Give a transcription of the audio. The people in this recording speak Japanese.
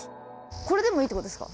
これでもいいってことですか？